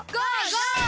ゴー！